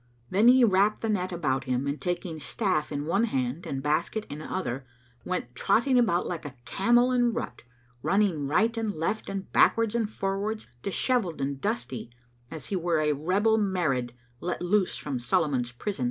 [FN#213] Then he wrapped the net about him and taking staff in one hand and basket in other, went trotting about like a camel in rut, running right and left and backwards and forwards, dishevelled and dusty, as he were a rebel Marid let loose from Solomon's prison.